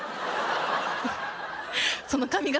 その髪形